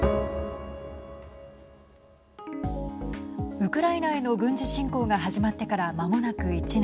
ウクライナへの軍事侵攻が始まってから、まもなく１年。